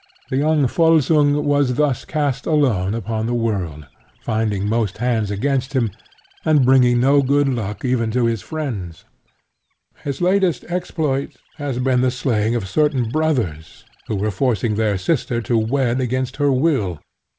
The young Volsung was thus cast alone upon the world, finding most hands against him, and bringing no good luck even to his friends. His latest exploit has been the slaying of certain brothers who were forcing their sister to wed against her will.